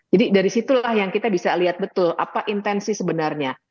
dari situlah yang kita bisa lihat betul apa intensi sebenarnya